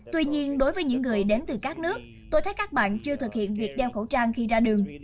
tuy nhiên đối với những người đến từ các nước tôi thấy các bạn chưa thực hiện việc đeo khẩu trang khi ra đường